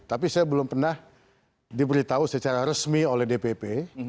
tapi saya belum pernah diberitahu secara resmi oleh dpp